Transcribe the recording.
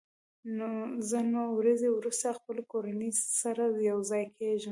زه نوي ورځې وروسته خپلې کورنۍ سره یوځای کېږم.